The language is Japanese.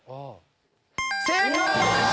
正解！